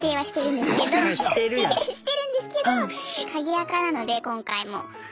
してるんですけど鍵アカなので今回も。